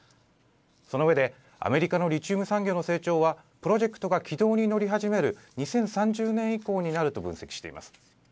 その上でアメリカのリチウム産業の成長はプロジェクトが軌道に乗り始める２０３０年以降になると分析しています。